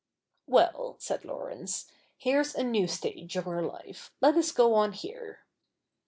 'Well,' said Laurence, 'here's a new stage of her life. Let us go on here.